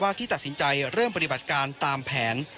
ที่ตัดสินใจเริ่มปฏิบัติการตามแผน